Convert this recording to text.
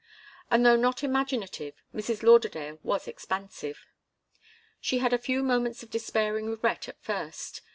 And though not imaginative, Mrs. Lauderdale was expansive. She had a few moments of despairing regret at first.